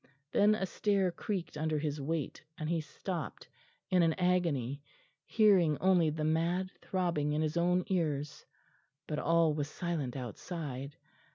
Then a stair creaked under his weight; and he stopped in an agony, hearing only the mad throbbing in his own ears. But all was silent outside.